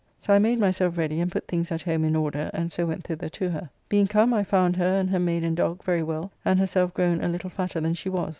So I made myself ready and put things at home in order, and so went thither to her. Being come, I found her and her maid and dogg very well, and herself grown a little fatter than she was.